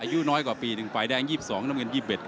อายุน้อยกว่าปีหนึ่งฝ่ายแดง๒๒น้ำเงิน๒๑